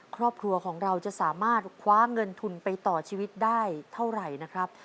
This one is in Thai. ครอบครัวของเราจะสามารถคว้าเงินทุนไปต่อชีวิตได้เท่าไหร่นะครับ